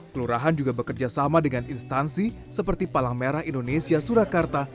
kelurahan juga bekerja sama dengan instansi seperti palang merah indonesia surakarta